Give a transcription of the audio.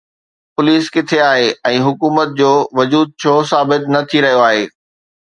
Police ڪٿي آهي ۽ حڪومت جو وجود ڇو ثابت نه ٿي رهيو آهي؟